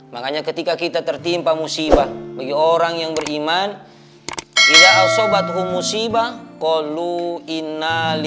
makanya ketika kita tertimpa musibah bagi orang yang beriman